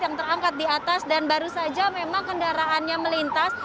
yang terangkat di atas dan baru saja memang kendaraannya melintas